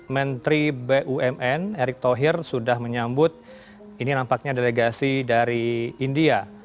menteri bumn erick thohir sudah menyambut ini nampaknya delegasi dari india